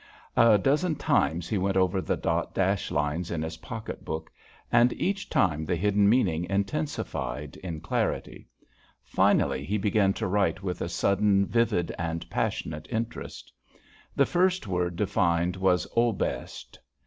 A dozen times he went over the dot dash lines in his pocket book, and each time the hidden meaning intensified in clarity. Finally, he began to write with a sudden vivid and passionate interest. The first word defined was "Oberst."